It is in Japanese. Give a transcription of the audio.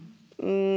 うん。